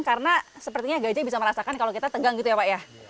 karena sepertinya gajah bisa merasakan kalau kita tenggang gitu ya pak ya